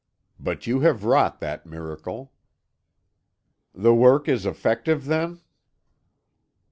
But you have wrought that miracle." "The work is effective, then?"